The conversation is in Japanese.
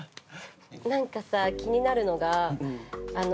なんかさ気になるのがあの何？